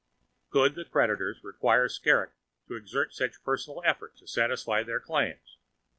Could the creditors require Skrrgck to exert such personal efforts to satisfy their claims?